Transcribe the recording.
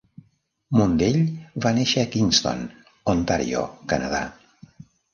Mundell va néixer a Kingston, Ontario, Canadà.